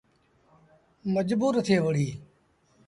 مجبور ٿئي وُهڙيٚ۔